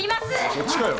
そっちかよ！